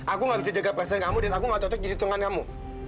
aku nggak bisa jaga perasaan kamu dan aku nggak bisa jaga perasaan kamu